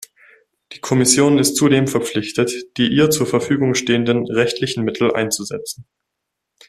Die Kommission ist zudem verpflichtet, die ihr zur Verfügung stehenden rechtlichen Mittel einzusetzen.